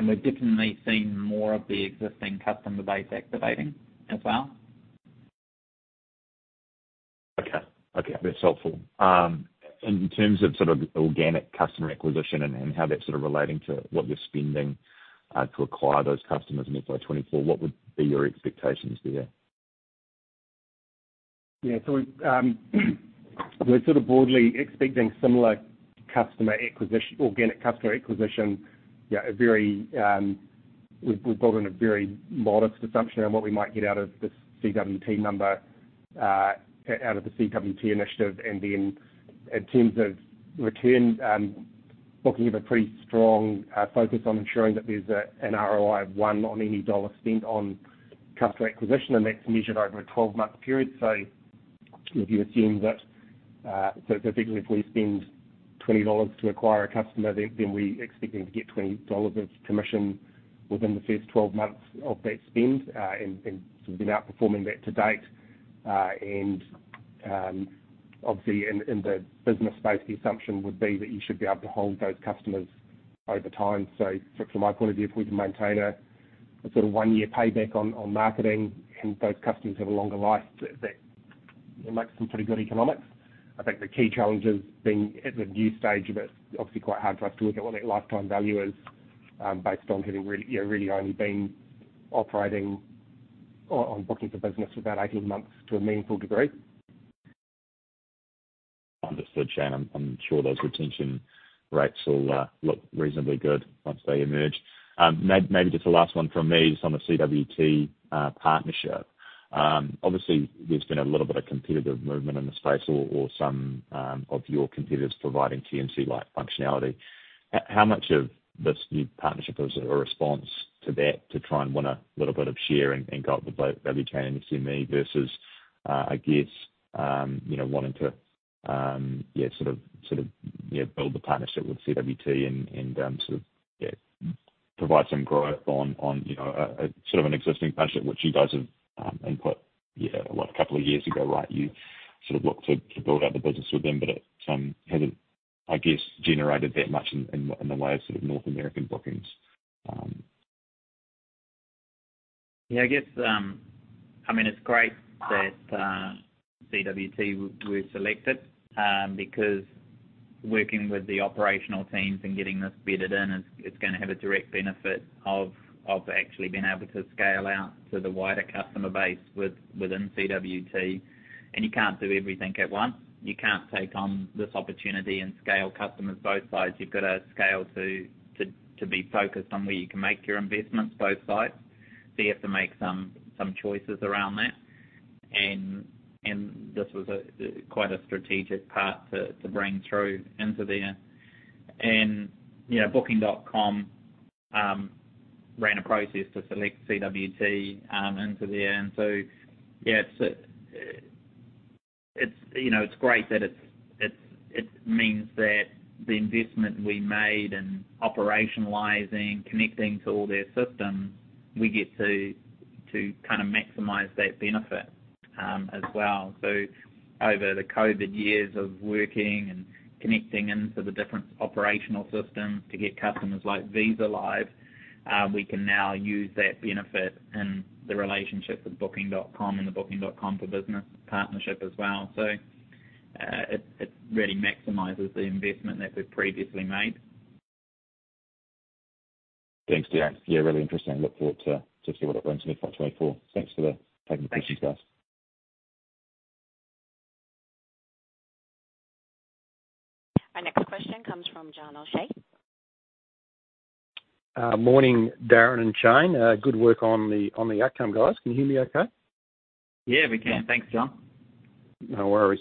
We've definitely seen more of the existing customer base activating as well. Okay. Okay, that's helpful. In terms of sort of organic customer acquisition and how that's sort of relating to what you're spending to acquire those customers in FY 2024, what would be your expectations there? We're sort of broadly expecting similar customer acquisition, organic customer acquisition. We've built in a very modest assumption on what we might get out of this CWT number, out of the CWT initiative. In terms of return, Booking have a pretty strong focus on ensuring that there's an ROI of one on any dollar spent on customer acquisition, and that's measured over a 12-month period. If you assume that, so basically if we spend 20 dollars to acquire a customer, then we're expecting to get 20 dollars of commission within the first 12 months of that spend, and we've been outperforming that to date. Obviously in the business space, the assumption would be that you should be able to hold those customers over time. From my point of view, if we can maintain a sort of one-year payback on marketing and those customers have a longer life, that makes some pretty good economics. I think the key challenges being at the new stage of it, obviously quite hard for us to work out what that lifetime value is, based on having really only been operating on Booking.com for Business for about 18 months to a meaningful degree. Understood, Shane. I'm sure those retention rates will look reasonably good once they emerge. Maybe just the last one from me just on the CWT partnership. Obviously there's been a little bit of competitive movement in the space or some of your competitors providing TMC-like functionality. How much of this new partnership is a response to that to try and win a little bit of share and go up the value chain in SME versus, I guess, you know, wanting to, yeah, sort of, yeah, build the partnership with CWT and, sort of yeah, provide some growth on, you know, a sort of an existing partnership which you guys have, input, yeah, what, a couple of years ago, right? You sort of looked to build out the business with them, but it hasn't, I guess, generated that much in the way of sort of North American bookings. Yeah, I guess, I mean, it's great that CWT we're selected because working with the operational teams and getting this bedded in is it's gonna have a direct benefit of actually being able to scale out to the wider customer base within CWT. You can't do everything at once. You can't take on this opportunity and scale customers both sides. You've got to scale to be focused on where you can make your investments both sides. You have to make some choices around that. This was a, quite a strategic part to bring through into there. You know, Booking.com ran a process to select CWT into there. It's, you know, it's great that it means that the investment we made in operationalizing, connecting to all their systems, we get to kind of maximize that benefit as well. Over the COVID years of working and connecting into the different operational systems to get customers like Visa live, we can now use that benefit in the relationship with Booking.com and the Booking.com for Business partnership as well. It really maximizes the investment that we've previously made. Thanks, Dion. Yeah, really interesting. I look forward to see what it brings in FY 2024. Thanks for taking the questions, guys. Our next question comes from John O'Shea. Morning, Darrin and Shane. Good work on the, on the outcome, guys. Can you hear me okay? Yeah, we can. Thanks, John. No worries.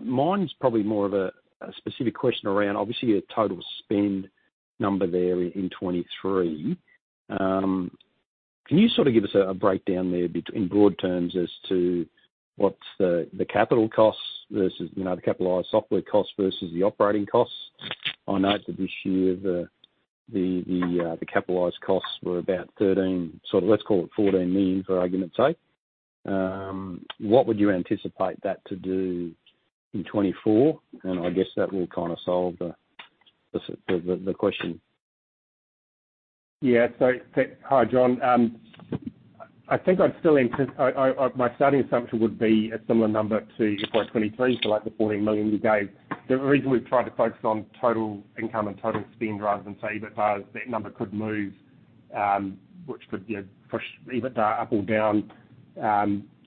Mine's probably more of a specific question around obviously your total spend number there in 2023. Can you sort of give us a breakdown in broad terms as to what's the capital costs versus, you know, the capitalized software costs versus the operating costs? I noted this year the capitalized costs were about 13, sort of let's call it 14 million for argument's sake. What would you anticipate that to do in 2024? I guess that will kinda solve the question. Yeah. Hi, John. I think I'd still anti- I my starting assumption would be a similar number to FY 2023, so like the 14 million you gave. The reason we've tried to focus on total income and total spend rather than say EBITA is that number could move, which could, you know, push EBITA up or down,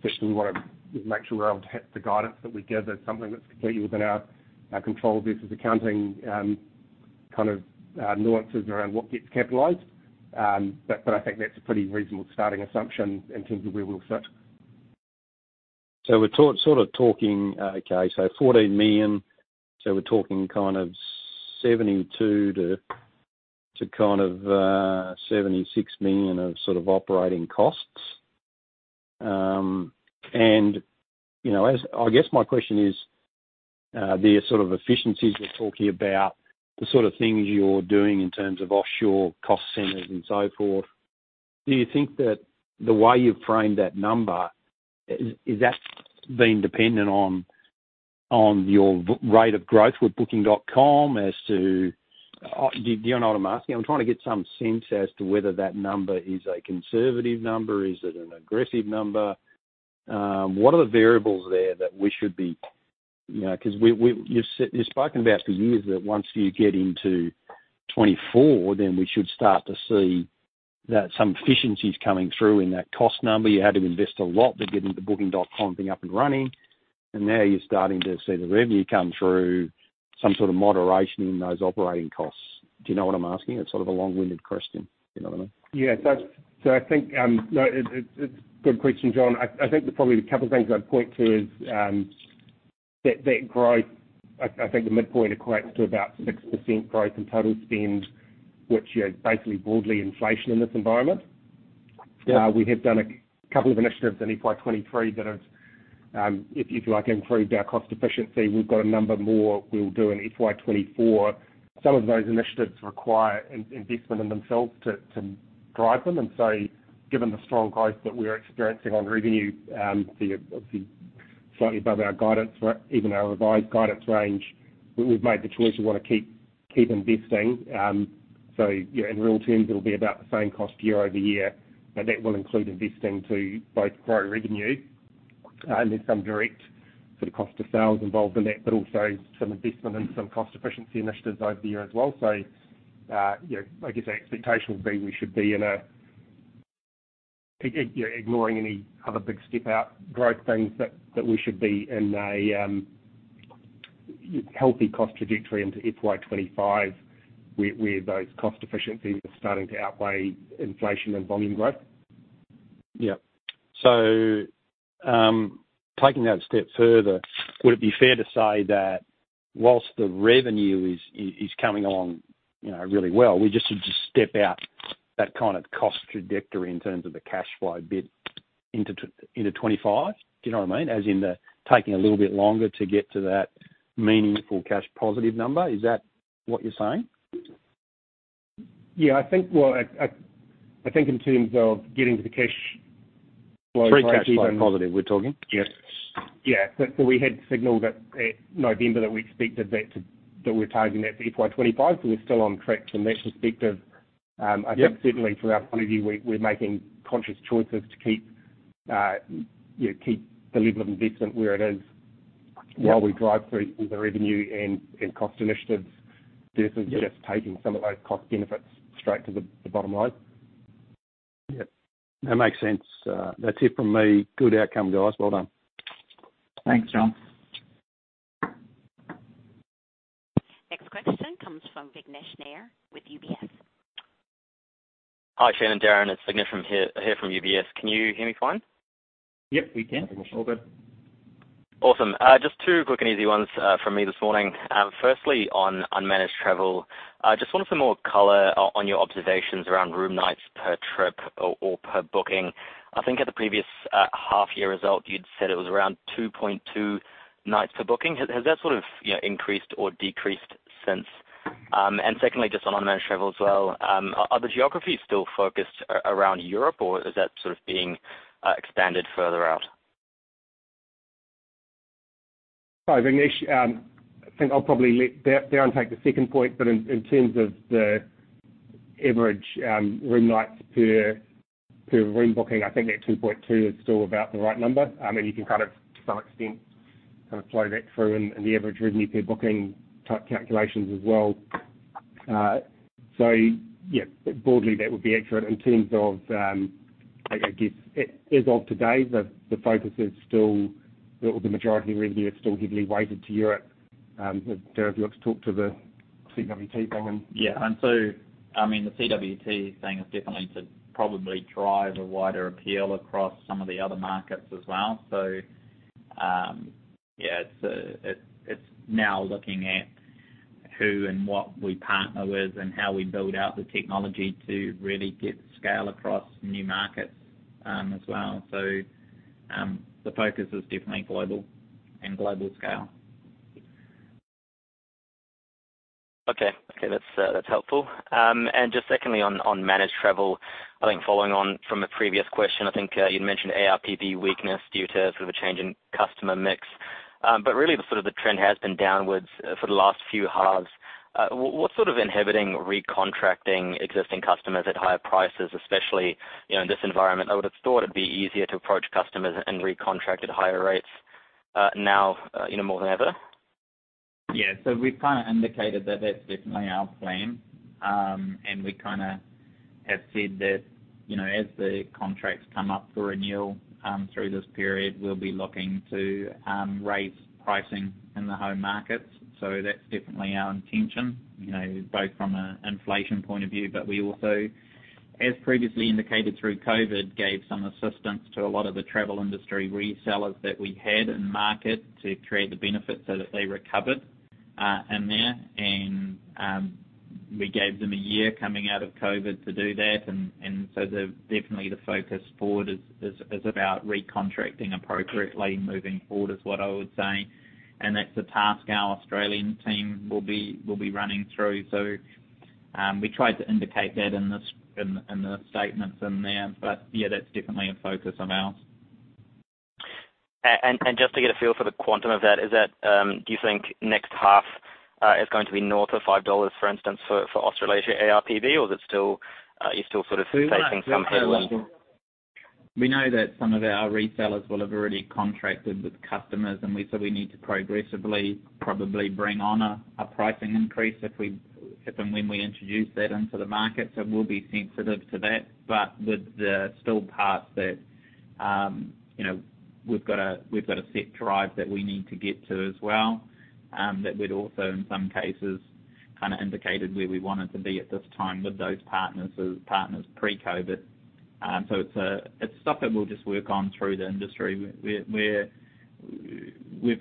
just so we wanna, you know, make sure we're able to hit the guidance that we give. That's something that's completely within our control versus accounting, kind of nuances around what gets capitalized. I think that's a pretty reasonable starting assumption in terms of where we'll sit. We're sort of talking, okay, so 14 million. We're talking kind of 72 million-76 million of sort of operating costs. You know, I guess my question is, the sort of efficiencies we're talking about, the sort of things you're doing in terms of offshore cost centers and so forth, do you think that the way you've framed that number is that being dependent on your rate of growth with Booking.com as to... Do you know what I'm asking? I'm trying to get some sense as to whether that number is a conservative number. Is it an aggressive number? What are the variables there that we should be... You know, 'cause we've you've spoken about for years that once you get into 2024, we should start to see that some efficiency's coming through in that cost number. You had to invest a lot to get the Booking.com thing up and running, now you're starting to see the revenue come through, some sort of moderation in those operating costs. Do you know what I'm asking? It's sort of a long-winded question, if you know what I mean. Yeah. I think, no, it's good question, John. I think probably the couple things I'd point to is that growth, I think the midpoint equates to about 6% growth in total spend, which is basically broadly inflation in this environment. Yeah. We have done a couple of initiatives in FY 2023 that have, if you like, improved our cost efficiency. We've got a number more we'll do in FY 2024. Some of those initiatives require in-investment in themselves to drive them. Given the strong growth that we're experiencing on revenue, you're obviously slightly above our guidance even our revised guidance range, we've made the choice we wanna keep investing. You know, in real terms it'll be about the same cost year-over-year. That will include investing to both grow revenue, and then some direct sort of cost of sales involved in that, but also some investment in some cost efficiency initiatives over the year as well. You know, I guess the expectation would be we should be in a... You know, ignoring any other big step-out growth things, that we should be in a healthy cost trajectory into FY 2025 where those cost efficiencies are starting to outweigh inflation and volume growth. Yeah. Taking that a step further, would it be fair to say that while the revenue is coming along, you know, really well, we should just step out that kind of cost trajectory in terms of the cash flow bit into 2025? Do you know what I mean? As in the taking a little bit longer to get to that meaningful cash positive number. Is that what you're saying? Yeah, Well, I think in terms of getting to the cash flow. Pre-cash flow positive, we're talking. Yes. Yeah. We had signaled that at November that we expected that we're targeting that for FY 2025. We're still on track from that perspective. Yeah. I think certainly from our point of view, we're making conscious choices to keep, you know, keep the level of investment where it is. Yeah... while we drive through the revenue and cost initiatives. Yeah... versus just taking some of those cost benefits straight to the bottom line. Yeah, that makes sense. That's it from me. Good outcome, guys. Well done. Thanks, John. Next question comes from Vignesh Nair with UBS. Hi, Shane and Darrin. It's Vignesh from UBS. Can you hear me fine? Yep, we can. Hi, Vignesh. All good. Awesome. Just two quick and easy ones from me this morning. Firstly, on unmanaged travel, just wanted some more color on your observations around room nights per trip or per booking. I think at the previous half year result, you'd said it was around 2.2 nights per booking. Has that sort of, you know, increased or decreased since? Secondly, just on unmanaged travel as well, are the geographies still focused around Europe, or is that sort of being expanded further out? Sorry, Vignesh. I think I'll probably let Darrin take the second point. In terms of the average room nights per room booking, I think that 2.2 is still about the right number. I mean, you can kind of to some extent kind of flow that through in the average revenue per booking type calculations as well. Yeah, broadly, that would be accurate in terms of, I guess as of today, the focus is still or the majority of revenue is still heavily weighted to Europe. Darrin, do you want to talk to the CWT thing and? Yeah. I mean, the CWT thing is definitely to probably drive a wider appeal across some of the other markets as well. Yeah, it's now looking at who and what we partner with and how we build out the technology to really get scale across new markets as well. The focus is definitely global and global scale. Okay. Okay, that's helpful. Just secondly on managed travel, I think following on from a previous question. I think you'd mentioned ARPV weakness due to sort of a change in customer mix. Really the sort of the trend has been downwards for the last few halves. What's sort of inhibiting recontracting existing customers at higher prices, especially, you know, in this environment? I would have thought it'd be easier to approach customers and recontract at higher rates now, you know, more than ever. Yeah. We've kind of indicated that that's definitely our plan. We kinda have said that, you know, as the contracts come up for renewal, through this period, we'll be looking to raise pricing in the home markets. That's definitely our intention, you know, both from an inflation point of view, but we also, as previously indicated through COVID, gave some assistance to a lot of the travel industry resellers that we had in market to create the benefit so that they recovered in there. We gave them a year coming out of COVID to do that. Definitely the focus forward is about recontracting appropriately moving forward is what I would say. That's a task our Australian team will be running through. We tried to indicate that in the statements in there. Yeah, that's definitely a focus of ours. Just to get a feel for the quantum of that, is that, do you think next half, is going to be north of 5 dollars, for instance, for Australasia ARPV, or is it still, you're still sort of taking some headwind? We are. We know that some of our resellers will have already contracted with customers, and we said we need to progressively probably bring on a pricing increase if and when we introduce that into the market. We'll be sensitive to that. With the still path that, you know, we've got a, we've got a set drive that we need to get to as well, that we'd also in some cases kind of indicated where we wanted to be at this time with those partners as partners pre-COVID. It's stuff that we'll just work on through the industry. We've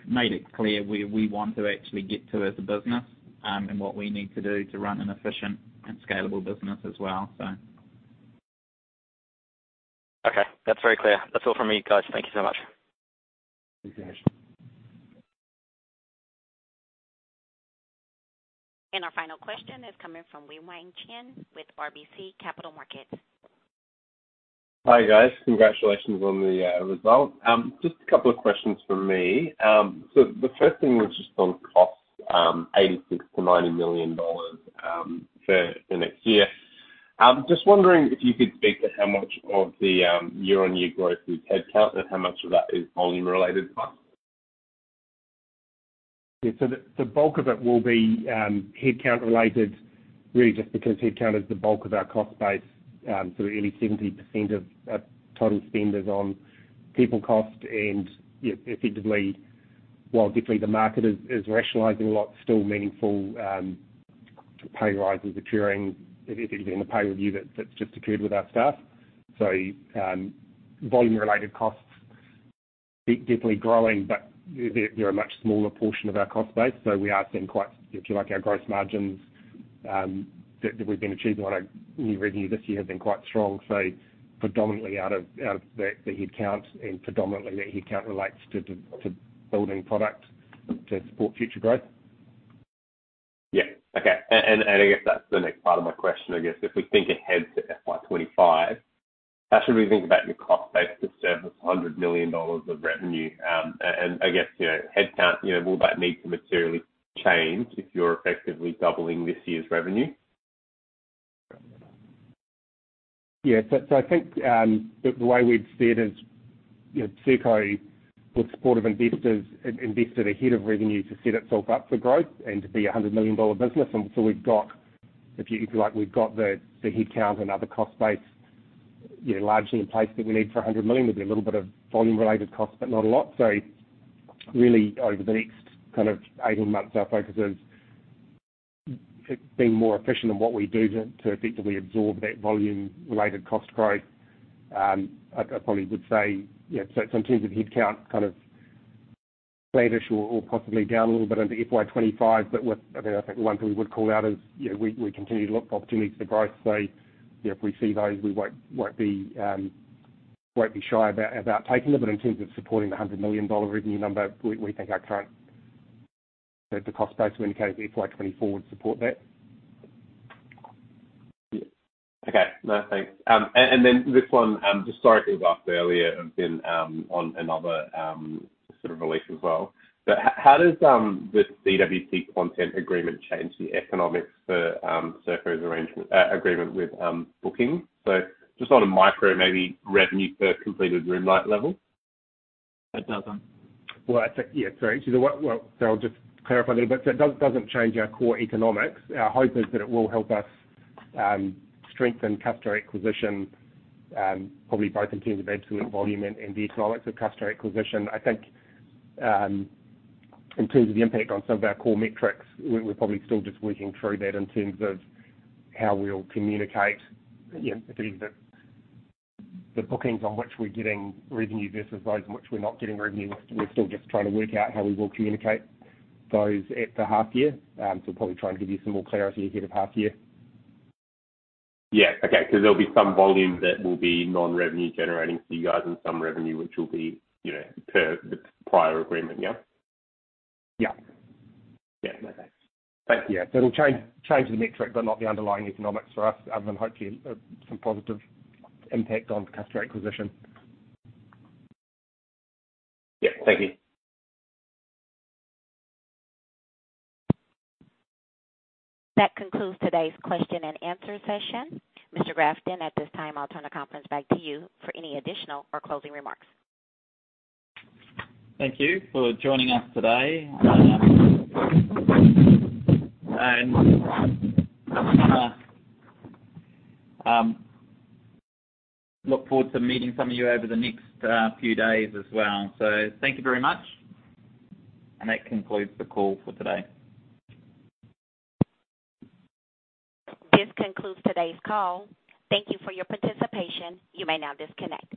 made it clear where we want to actually get to as a business and what we need to do to run an efficient and scalable business as well, so. Okay. That's very clear. That's all from me, guys. Thank you so much. Thanks, Vignesh. Our final question is coming from Wei-Weng Chen with RBC Capital Markets. Hi, guys. Congratulations on the result. Just a couple of questions from me. The first thing was just on costs, 86 million-90 million dollars for the next year. Just wondering if you could speak to how much of the year-on-year growth is headcount and how much of that is volume-related costs. Yeah. The, the bulk of it will be headcount related really just because headcount is the bulk of our cost base. Sort of nearly 70% of total spend is on people cost. You know, effectively, while definitely the market is rationalizing a lot, still meaningful pay rises occurring, effectively in the pay review that's just occurred with our staff. Volume-related costs definitely growing, but they're a much smaller portion of our cost base. We are seeing quite, if you like, our gross margins that we've been achieving on a new revenue this year have been quite strong. Predominantly out of the headcount and predominantly that headcount relates to building product to support future growth. Yeah. Okay. I guess that's the next part of my question, I guess. If we think ahead to FY 2025, how should we think about your cost base to service $100 million of revenue? I guess, you know, headcount, you know, will that need to materially change if you're effectively doubling this year's revenue? Yeah, I think, the way we've said is, you know, Serko, with support of investors, invested ahead of revenue to set itself up for growth and to be a $100 million business. We've got, if you like, we've got the headcount and other cost base, you know, largely in place that we need for $100 million. There'll be a little bit of volume-related costs, but not a lot. Really over the next kind of 18 months, our focus is being more efficient in what we do to effectively absorb that volume-related cost growth. I probably would say, you know, in terms of headcount, kind of flattish or possibly down a little bit into FY 2025. I mean, I think the one thing we would call out is, you know, we continue to look for opportunities for growth. You know, if we see those, we won't be shy about taking them. In terms of supporting the $100 million revenue number, we think the cost base we indicated for FY 2024 would support that. Okay. No, thanks. This one, just sorry if you were asked earlier and been on another sort of release as well. How does the CWT content agreement change the economics for Serko's agreement with Booking.com? Just on a micro maybe revenue per completed room night level. It doesn't. Yeah, sorry. I'll just clarify a little bit. It doesn't change our core economics. Our hope is that it will help us strengthen customer acquisition, probably both in terms of absolute volume and the economics of customer acquisition. I think, in terms of the impact on some of our core metrics, we're probably still just working through that in terms of how we'll communicate, you know, if it is the bookings on which we're getting revenue versus those in which we're not getting revenue. We're still just trying to work out how we will communicate those at the half year. We'll probably try and give you some more clarity ahead of half year. Yeah. Okay. 'Cause there'll be some volume that will be non-revenue generating for you guys and some revenue which will be, you know, per the prior agreement, yeah? Yeah. Yeah. No, thanks. Thank you. Yeah. It'll change the metric but not the underlying economics for us, and hopefully, some positive impact on customer acquisition. Yeah. Thank you. That concludes today's question-and-answer session. Mr. Grafton, at this time, I'll turn the conference back to you for any additional or closing remarks. Thank you for joining us today. Look forward to meeting some of you over the next few days as well. Thank you very much. That concludes the call for today. This concludes today's call. Thank Thank you for your participation. You may now disconnect.